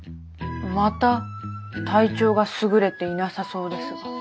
また体調がすぐれていなさそうですが。